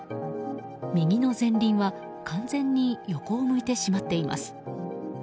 右の前輪は完全に横を向いてしまっています。